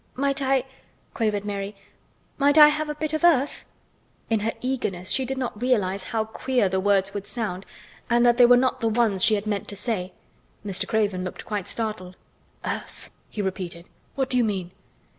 "Might I," quavered Mary, "might I have a bit of earth?" In her eagerness she did not realize how queer the words would sound and that they were not the ones she had meant to say. Mr. Craven looked quite startled. "Earth!" he repeated. "What do you mean?"